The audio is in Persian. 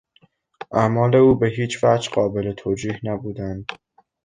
اعمال او به هیچوجه قابل توجیه نبودند.